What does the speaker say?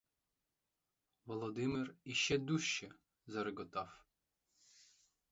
Володимир іще дужче зареготав.